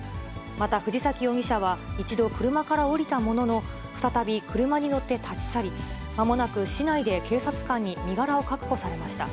また藤崎容疑者は一度車から降りたものの、再び車に乗って立ち去り、まもなく市内で警察官に身柄を確保されました。